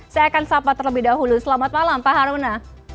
saya akan sapa terlebih dahulu selamat malam pak haruna